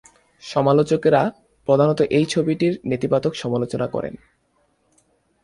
সমালোচকেরা প্রধানত এই ছবিটির নেতিবাচক সমালোচনা করেন।